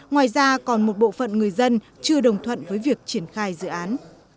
ngoài ra còn một bộ phận người dân chưa đồng thuận với việc triển khai dự án